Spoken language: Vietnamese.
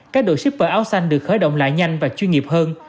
các đội shipper áo xanh được khởi động lại nhanh và chuyên nghiệp hơn